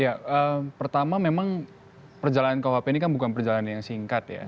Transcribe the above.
ya pertama memang perjalanan kuhp ini kan bukan perjalanan yang singkat ya